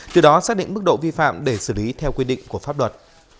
từ đó xác định mức độ vi phạm để xử lý theo quy định của pháp luật